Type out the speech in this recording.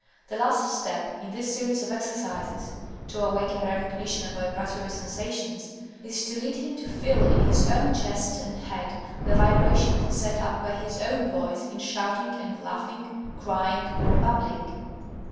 The last step in this series of exercises to awaken a recognition of vibratory sensations is to lead him to feel in his own chest and head the vibrations set up by his own voice in shouting and laughing, crying or babbling.